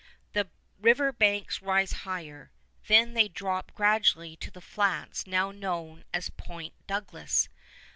The river banks rise higher. Then they drop gradually to the flats now known as Point Douglas.